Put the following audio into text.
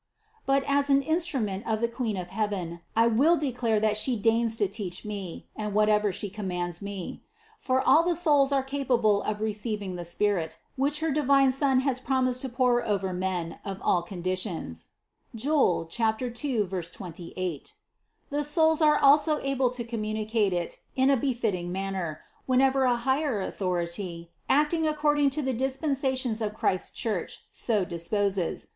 But as an instrument of the Queen of heaven I will de clare what She deigns to teach me and whatever She commands me; for all the souls are capable of receiving the Spirit, which her divine Son has promised to pour out over men of all conditions (Joel 2, 28). The souls are also able to communicate it in a befitting manner, whenever a higher authority acting according to the dis pensations of Christ's Church so disposes.